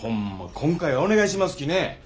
今回はお願いしますきね。